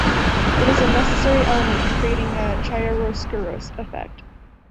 It is a necessary element in creating a chiaroscuro effect.